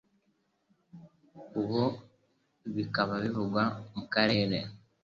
ubu bikaba bivugwa mu karere